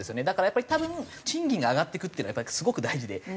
だからやっぱり多分賃金が上がっていくっていうのはやっぱりすごく大事で。